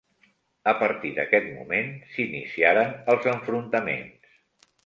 A partir d'aquest moment s'iniciaren els enfrontaments.